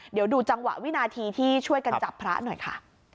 เดี๋ยวดูจังหวะวินาทีที่ช่วยกันจับพระหน่อยค่ะ